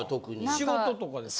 仕事とかですか？